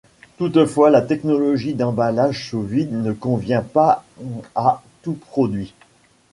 Toutefois, la technologie d'emballage sous-vide ne convient pas à tout produit.